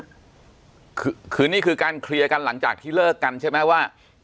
คือคือนี่คือการเคลียร์กันหลังจากที่เลิกกันใช่ไหมว่า